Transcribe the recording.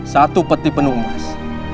satu peti penuh emas